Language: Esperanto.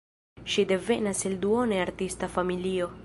Ŝi devenas el duone artista familio.